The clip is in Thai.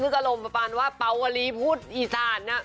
อารมณ์ประมาณว่าเปาวลีพูดอีสาน